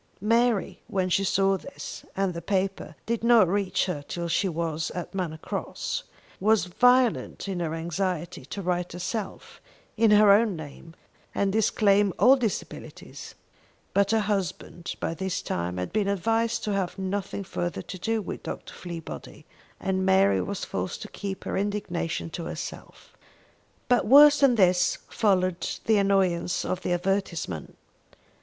Mary, when she saw this, and the paper did not reach her till she was at Manor Cross, was violent in her anxiety to write herself, in her own name, and disclaim all disabilities; but her husband by this time had been advised to have nothing further to do with Dr. Fleabody, and Mary was forced to keep her indignation to herself. But worse than this followed the annoyance of the advertisement.